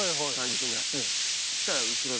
３０分ぐらい。